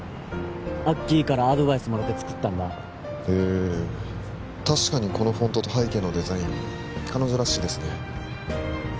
アッキーからアドバイスもらって作ったんだへ確かにこのフォントと背景のデザイン彼女らしいですね